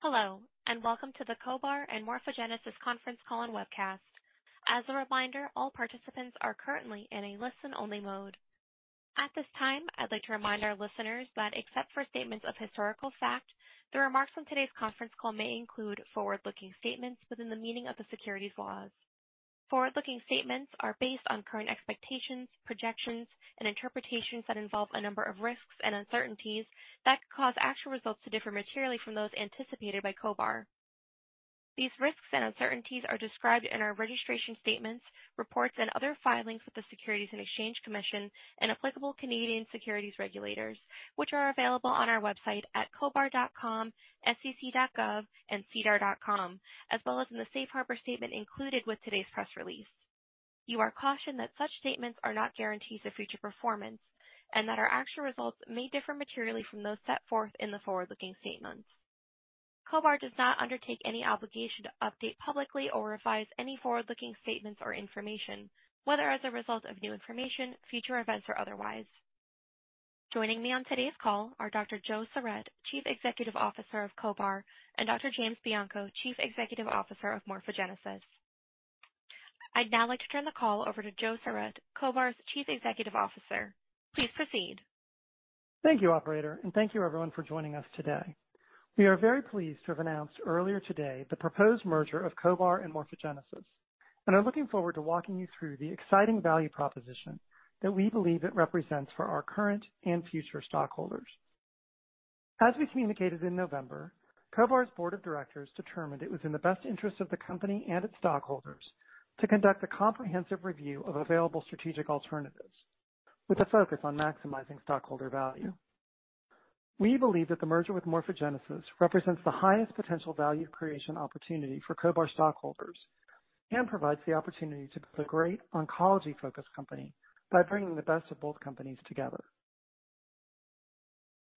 Hello, welcome to the CohBar and Morphogenesis conference call and webcast. As a reminder, all participants are currently in a listen only mode. At this time, I'd like to remind our listeners that except for statements of historical fact, the remarks on today's conference call may include forward-looking statements within the meaning of the securities laws. Forward-looking statements are based on current expectations, projections, and interpretations that involve a number of risks and uncertainties that could cause actual results to differ materially from those anticipated by CohBar. These risks and uncertainties are described in our registration statements, reports, and other filings with the Securities and Exchange Commission and applicable Canadian securities regulators, which are available on our website at cohbar.com, sec.gov, and SEDAR.com, as well as in the safe harbor statement included with today's press release. You are cautioned that such statements are not guarantees of future performance and that our actual results may differ materially from those set forth in the forward-looking statements. CohBar does not undertake any obligation to update publicly or revise any forward-looking statements or information, whether as a result of new information, future events, or otherwise. Joining me on today's call are Dr. Joe Sarret, Chief Executive Officer of CohBar, and Dr. James Bianco, Chief Executive Officer of Morphogenesis. I'd now like to turn the call over to Joe Sarret, CohBar's Chief Executive Officer. Please proceed. Thank you, operator, and thank you everyone for joining us today. We are very pleased to have announced earlier today the proposed merger of CohBar and Morphogenesis and are looking forward to walking you through the exciting value proposition that we believe it represents for our current and future stockholders. As we communicated in November, CohBar's board of directors determined it was in the best interest of the company and its stockholders to conduct a comprehensive review of available strategic alternatives with a focus on maximizing stockholder value. We believe that the merger with Morphogenesis represents the highest potential value creation opportunity for CohBar stockholders and provides the opportunity to build a great oncology-focused company by bringing the best of both companies together.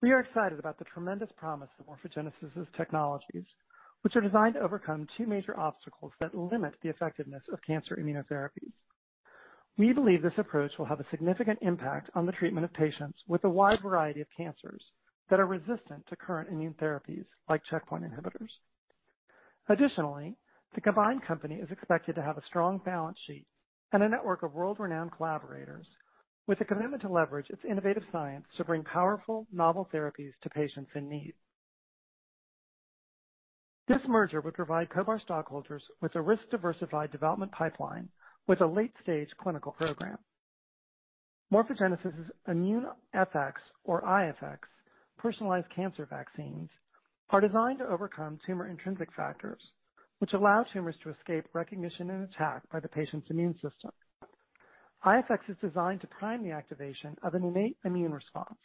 We are excited about the tremendous promise of Morphogenesis's technologies, which are designed to overcome two major obstacles that limit the effectiveness of cancer immunotherapies. We believe this approach will have a significant impact on the treatment of patients with a wide variety of cancers that are resistant to current immune therapies like checkpoint inhibitors. The combined company is expected to have a strong balance sheet and a network of world-renowned collaborators with a commitment to leverage its innovative science to bring powerful novel therapies to patients in need. This merger would provide CohBar stockholders with a risk-diversified development pipeline with a late-stage clinical program. Morphogenesis's ImmuneFx or IFx personalized cancer vaccines are designed to overcome tumor-intrinsic factors which allow tumors to escape recognition and attack by the patient's immune system. IFx is designed to prime the activation of an innate immune response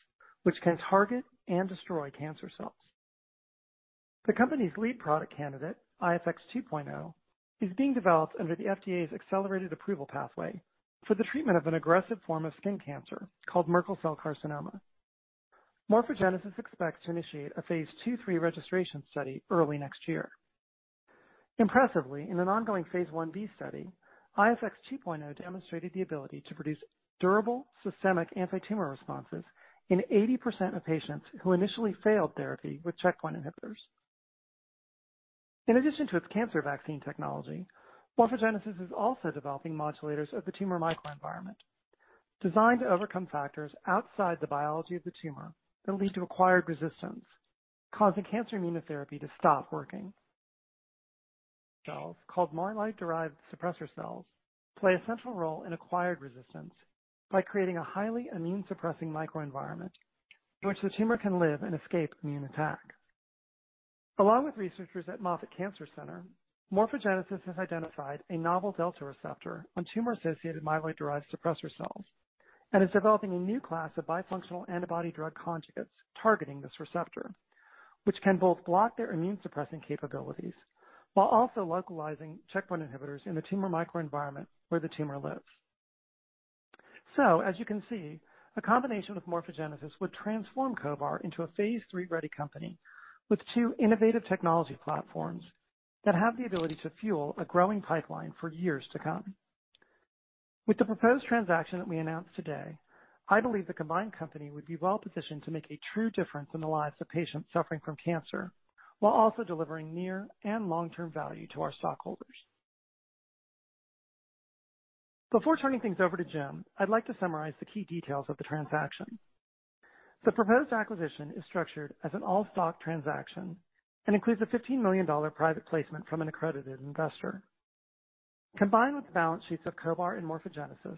which can target and destroy cancer cells. The company's lead product candidate, IFx-Hu2.0, is being developed under the FDA's accelerated approval pathway for the treatment of an aggressive form of skin cancer called Merkel cell carcinoma. Morphogenesis expects to initiate a phase 2/3 registration study early next year. Impressively, in an ongoing phase I-B study, IFx-Hu2.0 demonstrated the ability to produce durable systemic antitumor responses in 80% of patients who initially failed therapy with checkpoint inhibitors. In addition to its cancer vaccine technology, Morphogenesis is also developing modulators of the tumor microenvironment designed to overcome factors outside the biology of the tumor that lead to acquired resistance, causing cancer immunotherapy to stop working. Cells called myeloid-derived suppressor cells play a central role in acquired resistance by creating a highly immune suppressing microenvironment in which the tumor can live and escape immune attack. Along with researchers at Moffitt Cancer Center, Morphogenesis has identified a novel delta receptor on tumor-associated myeloid-derived suppressor cells and is developing a new class of bifunctional antibody drug conjugates targeting this receptor, which can both block their immune suppressing capabilities while also localizing checkpoint inhibitors in the tumor microenvironment where the tumor lives. As you can see, a combination of Morphogenesis would transform CohBar into a phase III-ready company with two innovative technology platforms that have the ability to fuel a growing pipeline for years to come. With the proposed transaction that we announced today, I believe the combined company would be well-positioned to make a true difference in the lives of patients suffering from cancer while also delivering near and long-term value to our stockholders. Before turning things over to Jim, I'd like to summarize the key details of the transaction. The proposed acquisition is structured as an all-stock transaction and includes a $15 million private placement from an accredited investor. Combined with the balance sheets of CohBar and Morphogenesis,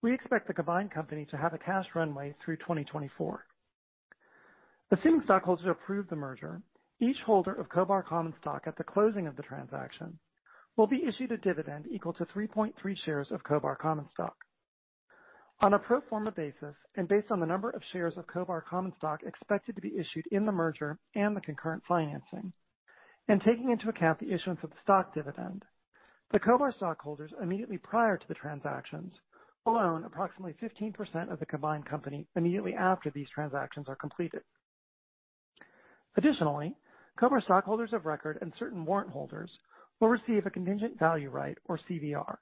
we expect the combined company to have a cash runway through 2024. Assuming stockholders approve the merger, each holder of CohBar common stock at the closing of the transaction will be issued a dividend equal to 3.3 shares of CohBar common stock. On a pro forma basis and based on the number of shares of CohBar common stock expected to be issued in the merger and the concurrent financing, and taking into account the issuance of the stock dividend, the CohBar stockholders immediately prior to the transactions will own approximately 15% of the combined company immediately after these transactions are completed. Additionally, CohBar stockholders of record and certain warrant holders will receive a contingent value right or CVR.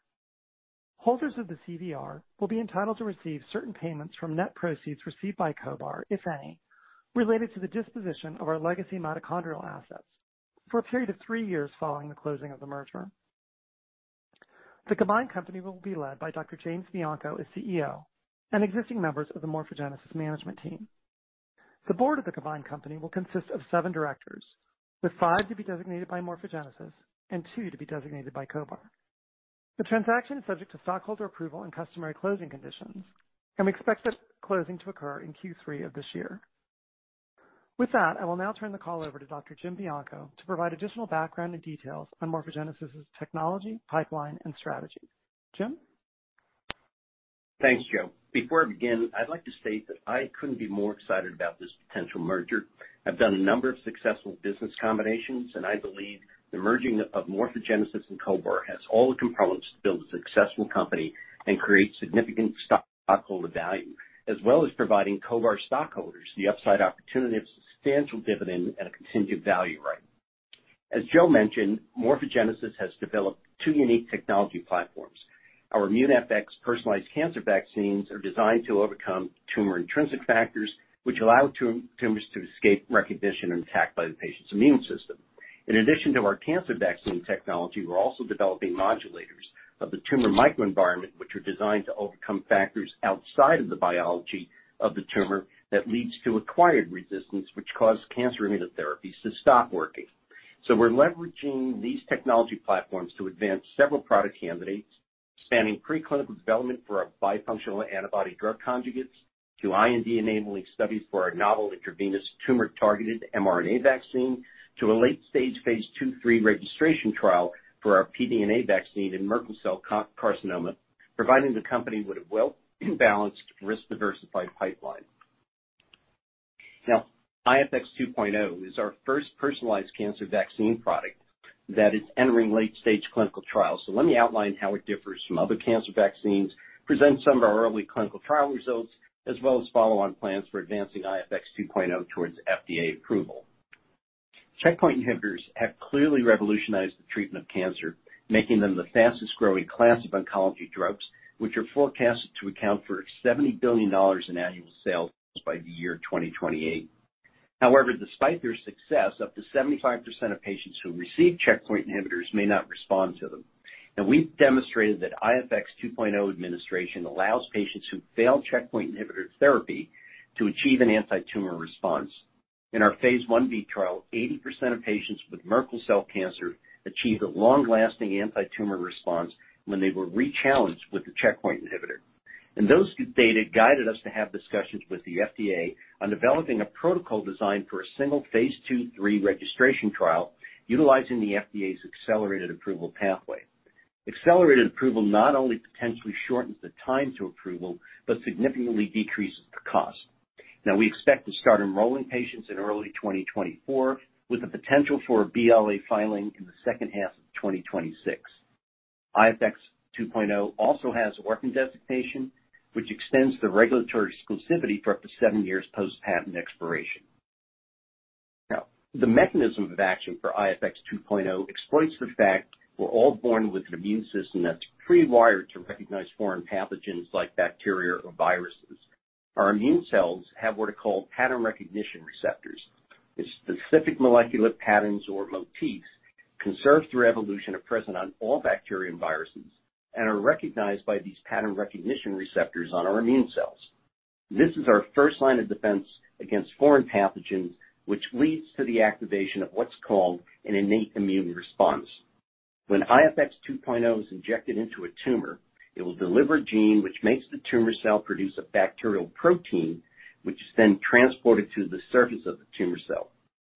Holders of the CVR will be entitled to receive certain payments from net proceeds received by CohBar, if any, related to the disposition of our legacy mitochondrial assets for a period of three years following the closing of the merger. The combined company will be led by Dr. James Bianco as CEO and existing members of the Morphogenesis management team. The board of the combined company will consist of seven directors, with five to be designated by Morphogenesis and two to be designated by CohBar. The transaction is subject to stockholder approval and customary closing conditions. We expect the closing to occur in Q3 of this year. With that, I will now turn the call over to Dr. Jim Bianco to provide additional background and details on Morphogenesis's technology, pipeline, and strategy. Jim? Thanks, Joe. Before I begin, I'd like to state that I couldn't be more excited about this potential merger. I've done a number of successful business combinations, I believe the merging of Morphogenesis and CohBar has all the components to build a successful company and create significant stockholder value, as well as providing CohBar stockholders the upside opportunity of substantial dividend at a contingent value rate. As Joe mentioned, Morphogenesis has developed two unique technology platforms. Our ImmuneFx personalized cancer vaccines are designed to overcome tumor-intrinsic factors which allow tumors to escape recognition and attack by the patient's immune system. In addition to our cancer vaccine technology, we're also developing modulators of the tumor microenvironment, which are designed to overcome factors outside of the biology of the tumor that leads to acquired resistance, which cause cancer immunotherapies to stop working. We're leveraging these technology platforms to advance several product candidates, spanning preclinical development for our bifunctional antibody drug conjugates to IND-enabling studies for our novel intravenous tumor-targeted mRNA vaccine to a late-stage phase II, phase III registration trial for our pDNA vaccine in Merkel cell carcinoma, providing the company with a well-balanced, risk-diversified pipeline. IFx 2.0 is our first personalized cancer vaccine product that is entering late-stage clinical trials, let me outline how it differs from other cancer vaccines, present some of our early clinical trial results, as well as follow on plans for advancing IFx 2.0 towards FDA approval. Checkpoint inhibitors have clearly revolutionized the treatment of cancer, making them the fastest-growing class of oncology drugs, which are forecasted to account for $70 billion in annual sales by the year 2028. However, despite their success, up to 75% of patients who receive checkpoint inhibitors may not respond to them. We've demonstrated that IFx-Hu2.0 administration allows patients who failed checkpoint inhibitor therapy to achieve an anti-tumor response. In our phase I-B trial, 80% of patients with Merkel cell carcinoma achieved a long-lasting anti-tumor response when they were rechallenged with the checkpoint inhibitor. Those data guided us to have discussions with the FDA on developing a protocol design for a single phase 2/3 registration trial utilizing the FDA's accelerated approval pathway. Accelerated approval not only potentially shortens the time to approval, but significantly decreases the cost. We expect to start enrolling patients in early 2024, with the potential for a BLA filing in the second half of 2026. IFx 2.0 also has orphan designation, which extends the regulatory exclusivity for up to seven years post-patent expiration. The mechanism of action for IFx 2.0 exploits the fact we're all born with an immune system that's pre-wired to recognize foreign pathogens like bacteria or viruses. Our immune cells have what are called pattern recognition receptors, with specific molecular patterns or motifs conserved through evolution are present on all bacteria and viruses and are recognized by these pattern recognition receptors on our immune cells. This is our first line of defense against foreign pathogens, which leads to the activation of what's called an innate immune response. When IFx 2.0 is injected into a tumor, it will deliver a gene which makes the tumor cell produce a bacterial protein, which is then transported to the surface of the tumor cell.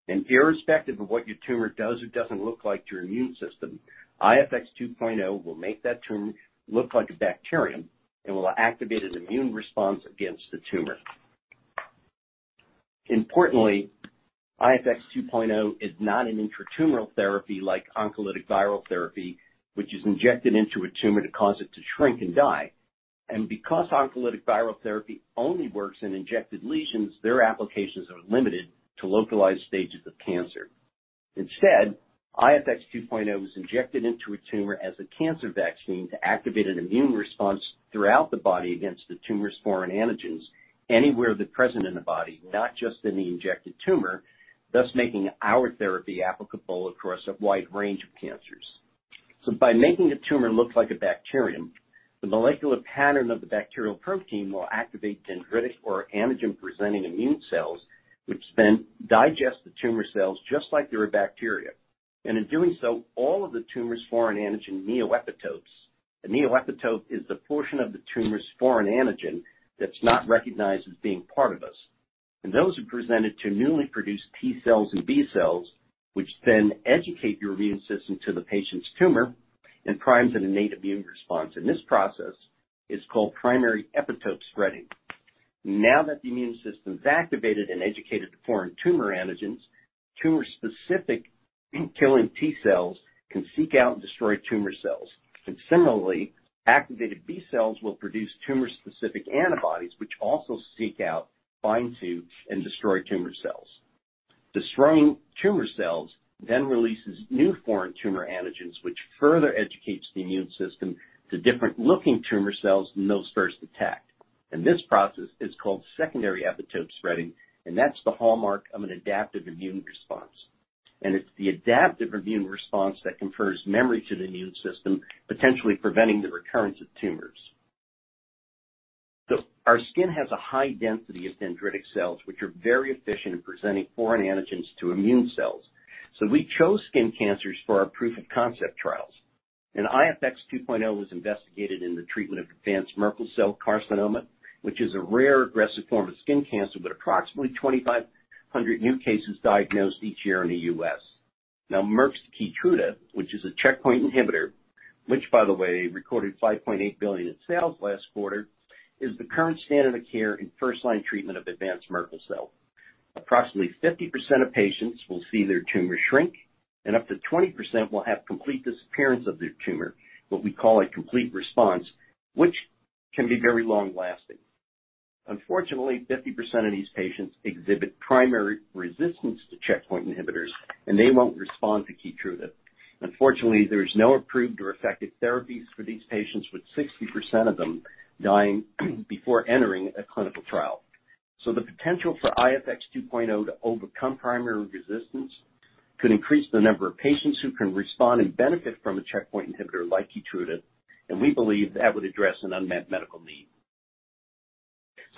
Irrespective of what your tumor does or doesn't look like to your immune system, IFx 2.0 will make that tumor look like a bacterium and will activate an immune response against the tumor. Importantly, IFx 2.0 is not an intratumoral therapy like oncolytic viral therapy, which is injected into a tumor to cause it to shrink and die. Because oncolytic viral therapy only works in injected lesions, their applications are limited to localized stages of cancer. Instead, IFx 2.0 is injected into a tumor as a cancer vaccine to activate an immune response throughout the body against the tumor's foreign antigens anywhere they're present in the body, not just in the injected tumor, thus making our therapy applicable across a wide range of cancers. By making a tumor look like a bacterium, the molecular pattern of the bacterial protein will activate dendritic or antigen-presenting immune cells, which then digest the tumor cells just like they're a bacteria. In doing so, all of the tumor's foreign antigen neoepitopes, a neoepitope is the portion of the tumor's foreign antigen that's not recognized as being part of us, and those are presented to newly produced T cells and B cells, which then educate your immune system to the patient's tumor and primes an innate immune response, and this process is called primary epitope spreading. Now that the immune system is activated and educated to foreign tumor antigens, tumor-specific killing T cells can seek out and destroy tumor cells. Similarly, activated B-cells will produce tumor-specific antibodies which also seek out, bind to, and destroy tumor cells. Destroying tumor cells then releases new foreign tumor antigens, which further educates the immune system to different-looking tumor cells than those first attacked. This process is called secondary epitope spreading, and that's the hallmark of an adaptive immune response. It's the adaptive immune response that confers memory to the immune system, potentially preventing the recurrence of tumors. Our skin has a high density of dendritic cells, which are very efficient in presenting foreign antigens to immune cells. We chose skin cancers for our proof of concept trials. IFx-Hu2.0 was investigated in the treatment of advanced Merkel cell carcinoma, which is a rare aggressive form of skin cancer with approximately 2,500 new cases diagnosed each year in the U.S. Now, Merck's KEYTRUDA, which is a checkpoint inhibitor, which by the way recorded $5.8 billion in sales last quarter, is the current standard of care in first-line treatment of advanced Merkel cell. Approximately 50% of patients will see their tumor shrink, and up to 20% will have complete disappearance of their tumor, what we call a complete response, which can be very long-lasting. Unfortunately, 50% of these patients exhibit primary resistance to checkpoint inhibitors, and they won't respond to KEYTRUDA. Unfortunately, there is no approved or effective therapies for these patients, with 60% of them dying before entering a clinical trial. The potential for IFx-Hu2.0 to overcome primary resistance could increase the number of patients who can respond and benefit from a checkpoint inhibitor like KEYTRUDA, and we believe that would address an unmet medical need.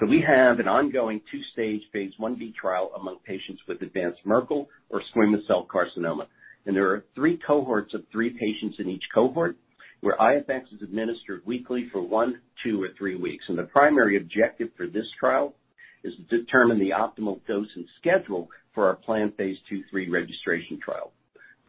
We have an ongoing two-stage phase I-B trial among patients with advanced Merkel cell carcinoma or squamous cell carcinoma. There are three cohorts of three patients in each cohort where IFx is administered weekly for one, two, or three weeks. The primary objective for this trial is to determine the optimal dose and schedule for our planned phase 2/3 registration trial.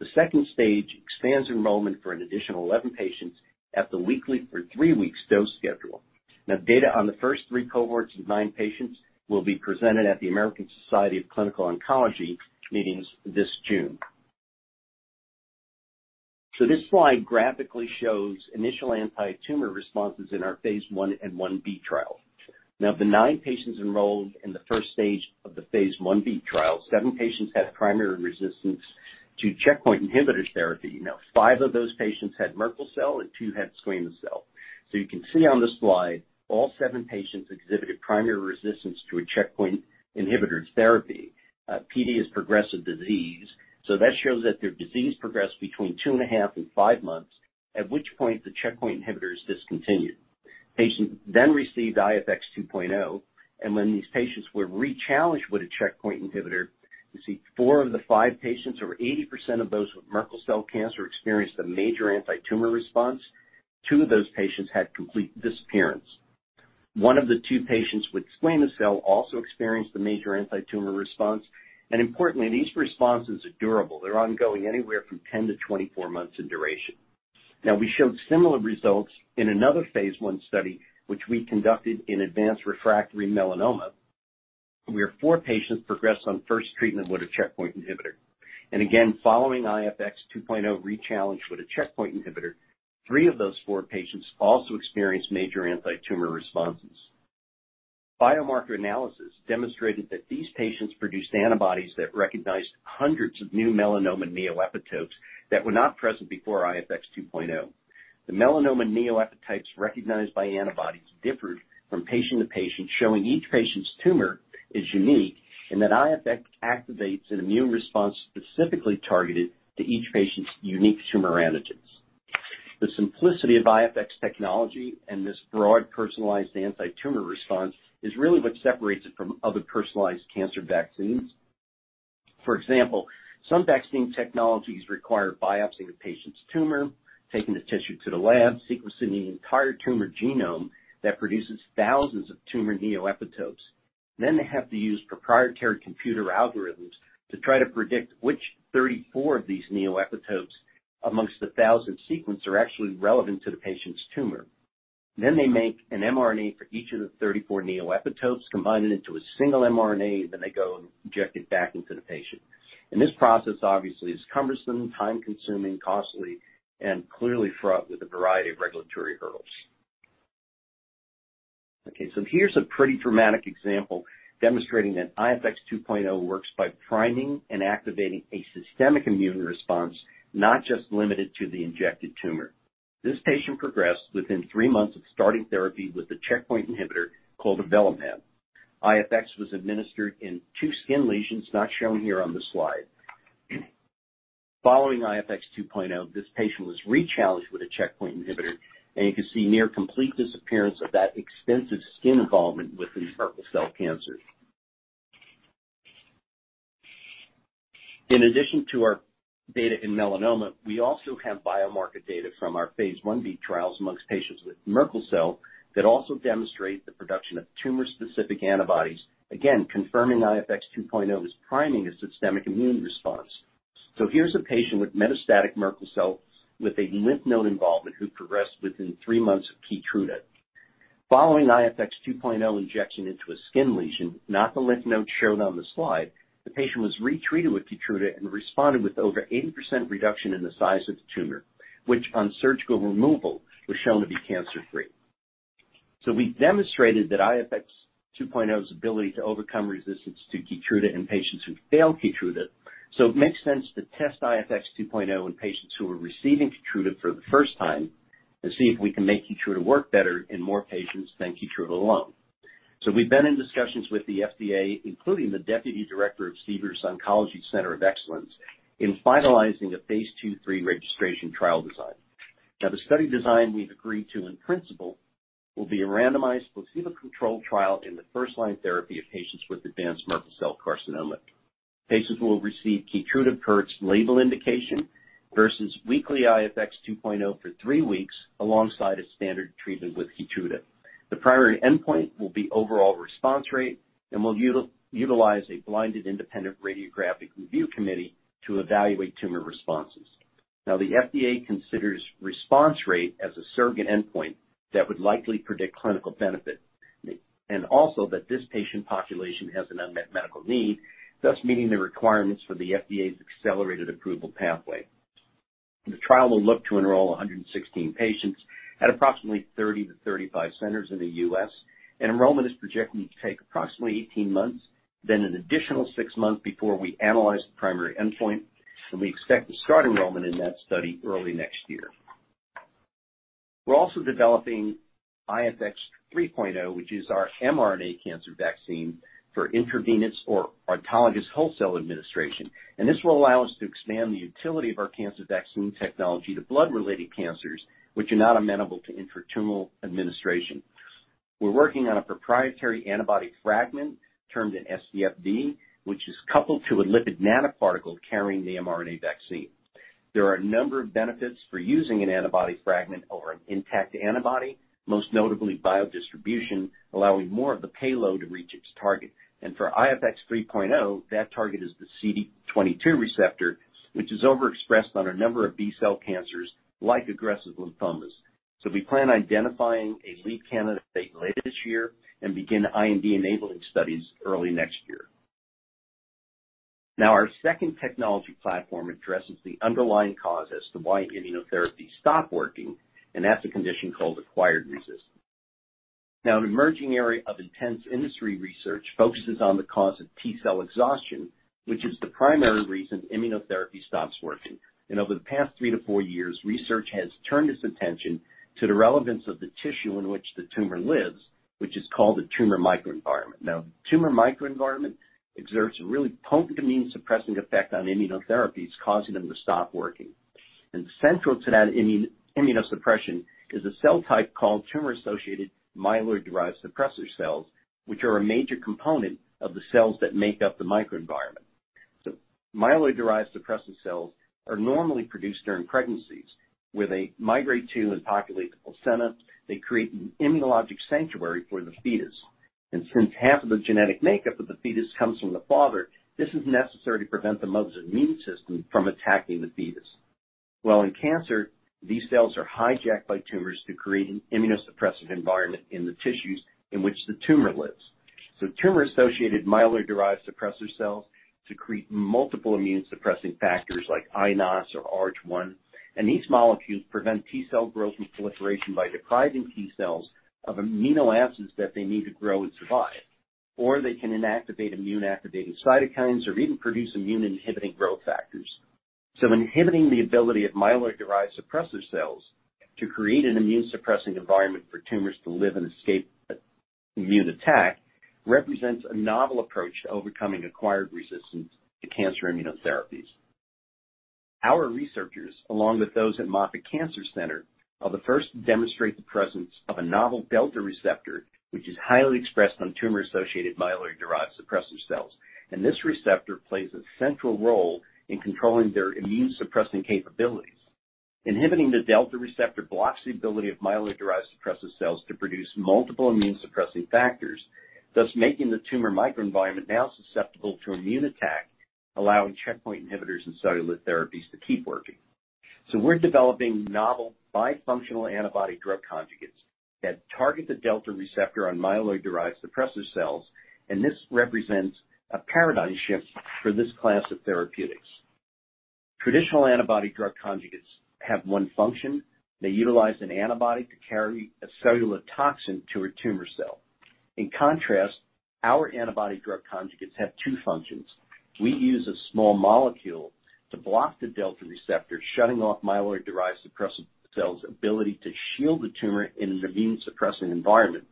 The second stage expands enrollment for an additional 11 patients at the weekly for three weeks dose schedule. Data on the first three cohorts of nine patients will be presented at the American Society of Clinical Oncology meetings this June. This slide graphically shows initial anti-tumor responses in our phase I and I-B trial. Of the nine patients enrolled in the first stage of the phase I-B trial, seven patients had primary resistance to checkpoint inhibitors therapy. Five of those patients had Merkel cell and two had squamous cell. You can see on this slide, all seven patients exhibited primary resistance to a checkpoint inhibitors therapy. PD is progressive disease, that shows that their disease progressed between 2.5 and five months, at which point the checkpoint inhibitor is discontinued. Patient received IFx 2.0, when these patients were rechallenged with a checkpoint inhibitor, you see four of the five patients, over 80% of those with Merkel cell cancer, experienced a major anti-tumor response. Two of those patients had complete disappearance. One of the two patients with squamous cell also experienced a major anti-tumor response. Importantly, these responses are durable. They're ongoing anywhere from 10-24 months in duration. We showed similar results in another phase I study, which we conducted in advanced refractory melanoma, where four patients progressed on first treatment with a checkpoint inhibitor. Again, following IFx-Hu2.0 rechallenge with a checkpoint inhibitor, three of those four patients also experienced major anti-tumor responses. Biomarker analysis demonstrated that these patients produced antibodies that recognized hundreds of new melanoma neoepitopes that were not present before IFx-Hu2.0. The melanoma neoepitopes recognized by antibodies differed from patient to patient, showing each patient's tumor is unique and that IFx activates an immune response specifically targeted to each patient's unique tumor antigens. The simplicity of IFx technology and this broad personalized anti-tumor response is really what separates it from other personalized cancer vaccines. For example, some vaccine technologies require biopsying a patient's tumor, taking the tissue to the lab, sequencing the entire tumor genome that produces thousands of tumor neoepitopes. They have to use proprietary computer algorithms to try to predict which 34 of these neoepitopes amongst the 1,000 sequenced are actually relevant to the patient's tumor. They make an mRNA for each of the 34 neoepitopes, combine it into a single mRNA, then they go and inject it back into the patient. This process obviously is cumbersome, time-consuming, costly, and clearly fraught with a variety of regulatory hurdles. Okay, here's a pretty dramatic example demonstrating that IFx 2.0 works by priming and activating a systemic immune response, not just limited to the injected tumor. This patient progressed within 3 months of starting therapy with a checkpoint inhibitor called Avelumab. IFx was administered in two skin lesions not shown here on the slide. Following IFx-Hu2.0, this patient was rechallenged with a checkpoint inhibitor, and you can see near complete disappearance of that extensive skin involvement with these Merkel cell carcinoma. In addition to our data in melanoma, we also have biomarker data from our phase I-B trials amongst patients with Merkel cell carcinoma that also demonstrate the production of tumor-specific antibodies, again, confirming IFx-Hu2.0 is priming a systemic immune response. Here's a patient with metastatic Merkel cell carcinoma with a lymph node involvement who progressed within three months of KEYTRUDA. Following IFx-Hu2.0 injection into a skin lesion, not the lymph node shown on the slide, the patient was retreated with KEYTRUDA and responded with over 80% reduction in the size of the tumor, which on surgical removal was shown to be cancer-free. We demonstrated that IFx-Hu2.0's ability to overcome resistance to KEYTRUDA in patients who failed KEYTRUDA. It makes sense to test IFx-Hu2.0 in patients who are receiving KEYTRUDA for the first time and see if we can make KEYTRUDA work better in more patients than KEYTRUDA alone. We've been in discussions with the FDA, including the Deputy Director of CDER's Oncology Center of Excellence, in finalizing a phase 2/3 registration trial design. The study design we've agreed to in principle will be a randomized placebo-controlled trial in the first-line therapy of patients with advanced Merkel cell carcinoma. Patients will receive KEYTRUDA per its label indication versus weekly IFx-Hu2.0 for three weeks alongside a standard treatment with KEYTRUDA. The primary endpoint will be overall response rate, and we'll utilize a blinded independent radiographic review committee to evaluate tumor responses. The FDA considers response rate as a surrogate endpoint that would likely predict clinical benefit, and also that this patient population has an unmet medical need, thus meeting the requirements for the FDA's accelerated approval pathway. The trial will look to enroll 116 patients at approximately 30-35 centers in the U.S., and enrollment is projected to take approximately 18 months, then an additional six months before we analyze the primary endpoint, and we expect to start enrollment in that study early next year. We're also developing IFx-Hu3.0, which is our mRNA cancer vaccine for intravenous or autologous whole cell administration. This will allow us to expand the utility of our cancer vaccine technology to blood-related cancers, which are not amenable to intratumoral administration. We're working on a proprietary antibody fragment, termed an scFv, which is coupled to a lipid nanoparticle carrying the mRNA vaccine. There are a number of benefits for using an antibody fragment over an intact antibody, most notably biodistribution, allowing more of the payload to reach its target. For IFx-Hu3.0, that target is the CD22 receptor, which is overexpressed on a number of B-cell cancers like aggressive lymphomas. We plan on identifying a lead candidate later this year and begin IND-enabling studies early next year. Our second technology platform addresses the underlying cause as to why immunotherapies stop working, and that's a condition called acquired resistance. An emerging area of intense industry research focuses on the cause of T-cell exhaustion, which is the primary reason immunotherapy stops working. Over the past three to four years, research has turned its attention to the relevance of the tissue in which the tumor lives, which is called the tumor microenvironment. Tumor microenvironment exerts a really potent immune-suppressing effect on immunotherapies, causing them to stop working. Central to that immune, immunosuppression is a cell type called tumor-associated myeloid-derived suppressor cells, which are a major component of the cells that make up the microenvironment. Myeloid-derived suppressor cells are normally produced during pregnancies, where they migrate to and populate the placenta. They create an immunologic sanctuary for the fetus. Since half of the genetic makeup of the fetus comes from the father, this is necessary to prevent the mother's immune system from attacking the fetus. Well, in cancer, these cells are hijacked by tumors to create an immunosuppressive environment in the tissues in which the tumor lives. Tumor-associated myeloid-derived suppressor cells secrete multiple immune-suppressing factors like iNOS or Arginase-1, and these molecules prevent T-cell growth and proliferation by depriving T-cells of amino acids that they need to grow and survive. They can inactivate immune-activating cytokines or even produce immune-inhibiting growth factors. Inhibiting the ability of myeloid-derived suppressor cells to create an immune-suppressing environment for tumors to live and escape immune attack represents a novel approach to overcoming acquired resistance to cancer immunotherapies. Our researchers, along with those at Moffitt Cancer Center, are the first to demonstrate the presence of a novel delta receptor, which is highly expressed on tumor-associated myeloid-derived suppressor cells. This receptor plays a central role in controlling their immune-suppressing capabilities. Inhibiting the delta receptor blocks the ability of myeloid-derived suppressor cells to produce multiple immune-suppressing factors, thus making the tumor microenvironment now susceptible to immune attack, allowing checkpoint inhibitors and cellular therapies to keep working. We're developing novel bifunctional antibody drug conjugates that target the delta receptor on myeloid-derived suppressor cells, and this represents a paradigm shift for this class of therapeutics. Traditional antibody drug conjugates have one function. They utilize an antibody to carry a cellular toxin to a tumor cell. In contrast, our antibody drug conjugates have two functions. We use a small molecule to block the delta receptor, shutting off myeloid-derived suppressor cells' ability to shield the tumor in an immune-suppressing environment,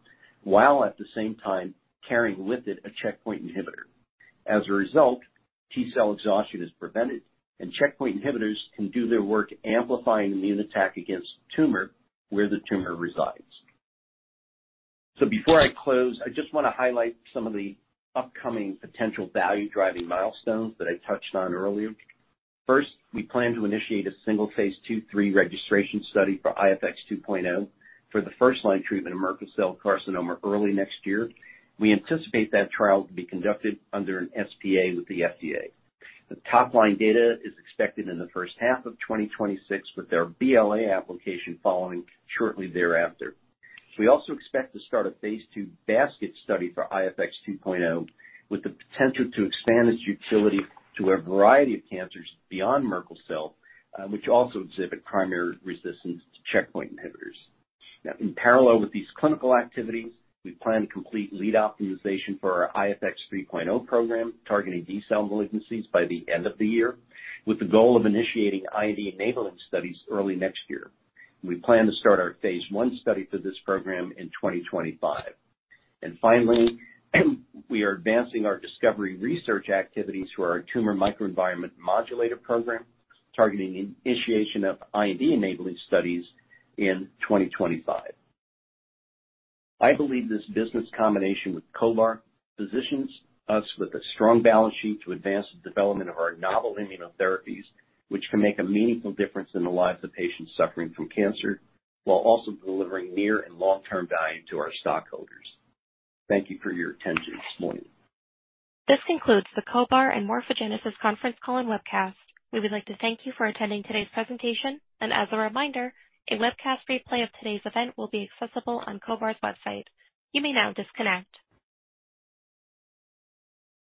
while at the same time carrying with it a checkpoint inhibitor. T-cell exhaustion is prevented, and checkpoint inhibitors can do their work amplifying immune attack against the tumor where the tumor resides. Before I close, I just wanna highlight some of the upcoming potential value-driving milestones that I touched on earlier. First, we plan to initiate a single phase 2/3 registration study for IFx-Hu2.0 for the first-line treatment of Merkel cell carcinoma early next year. We anticipate that trial to be conducted under an SPA with the FDA. The top-line data is expected in the first half of 2026, with our BLA application following shortly thereafter. We also expect to start a phase II basket study for IFx-Hu2.0 with the potential to expand its utility to a variety of cancers beyond Merkel cell, which also exhibit primary resistance to checkpoint inhibitors. In parallel with these clinical activities, we plan to complete lead optimization for our IFx-Hu3.0 program, targeting B-cell malignancies by the end of the year, with the goal of initiating IND-enabling studies early next year. We plan to start our phase I study for this program in 2025. Finally, we are advancing our discovery research activities for our tumor microenvironment modulator program, targeting the initiation of IND-enabling studies in 2025. I believe this business combination with CohBar positions us with a strong balance sheet to advance the development of our novel immunotherapies, which can make a meaningful difference in the lives of patients suffering from cancer while also delivering near and long-term value to our stockholders. Thank you for your attention this morning. This concludes the CohBar and Morphogenesis conference call and webcast. We would like to thank you for attending today's presentation. As a reminder, a webcast replay of today's event will be accessible on CohBar's website. You may now disconnect.